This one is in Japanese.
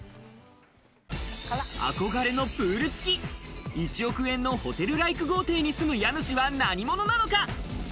憧れのプール付き１億円のホテルライク豪邸に住む家主は何者なのか？